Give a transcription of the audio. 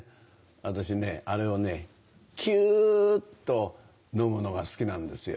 私ねあれをキュウっと飲むのが好きなんですよ。